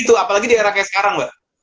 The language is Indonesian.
itu apalagi di era kayak sekarang mbak